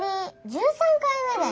１３回目だよ。